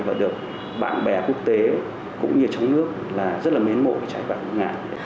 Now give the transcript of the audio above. và được bạn bè quốc tế cũng như ở trong nước là rất là mến mộ cái cháy vải ở lục ngạn